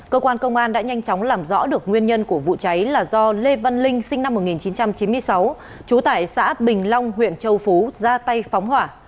công an huyện di linh đã nhanh chóng làm rõ được nguyên nhân của vụ cháy là do lê văn linh sinh năm một nghìn chín trăm chín mươi sáu trú tại xã bình long huyện châu phú ra tay phóng hỏa